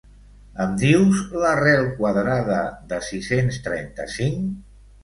Em dius l'arrel quadrada de sis-cents trenta-cinc?